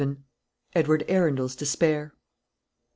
EDWARD ARUNDEL'S DESPAIR.